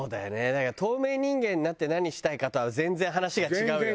だから透明人間になって何したいかとは全然話が違うよね。